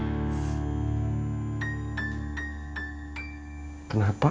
bapak sudah selesai